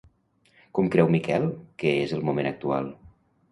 Com creu Miquel que és el moment actual?